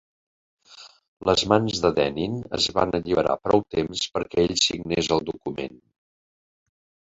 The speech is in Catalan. Les mans de Dennin es van alliberar prou temps perquè ell signés el document.